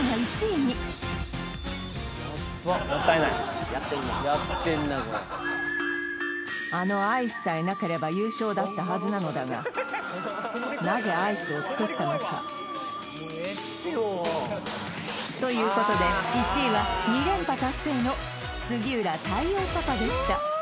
・もったいないあのアイスさえなければ優勝だったはずなのだがなぜアイスを作ったのか？ということで１位は２連覇達成の杉浦太陽パパでした